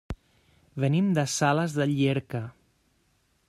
Venim de Sales de Llierca.